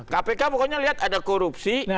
kpk pokoknya lihat ada korupsi